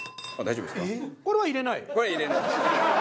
これは入れないです。